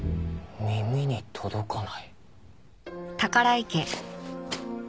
耳に届かない。